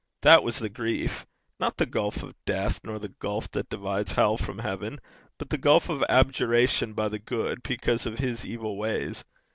that was the grief! Not the gulf of death, nor the gulf that divides hell from heaven, but the gulf of abjuration by the good because of his evil ways.